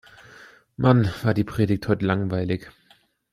Mann, war die Predigt heute langweilig!